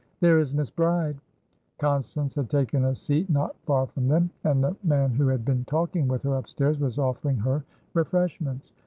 There is Miss Bride!" Constance had taken a seat not far from them, and the man who had been talking with her upstairs was offering her refreshments.